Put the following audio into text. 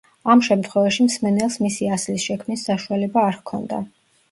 ამ შემთხვევაში მსმენელს მისი ასლის შექმნის საშუალება არ ჰქონდა.